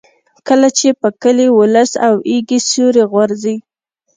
کله چې په کلي ولس د ایږې سیوری غورځي.